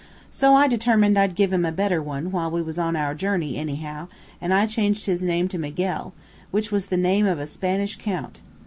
So I determined I'd give him a better one, while we was on our journey, anyhow, an' I changed his name to Miguel, which was the name of a Spanish count.